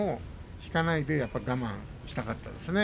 引かないで我慢したかったですね。